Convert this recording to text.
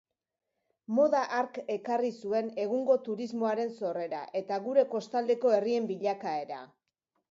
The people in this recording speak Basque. Moda hark ekarri zuen egungo turismoaren sorrera eta gure kostaldeko herrien bilakaera.